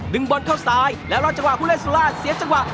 บอลเข้าซ้ายแล้วรอจังหวะผู้เล่นสุราชเสียจังหวะ